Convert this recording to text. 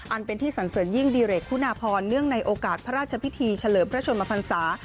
อันเป็นที่สันเสริญยิ่งดิเรกคุณาพรเนื่องในโอกาสพระราชพิธีเฉลิมพระชนมพันศา